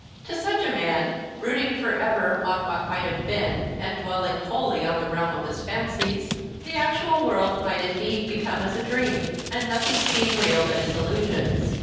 To such a man brooding forever on what might have been, and dwelling wholly in the realm of his fancies the actual world might indeed become as a dream, and nothing seem real but his illusions.